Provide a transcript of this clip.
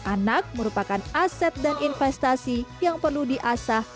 anak merupakan aset dan investasi yang perlu diasah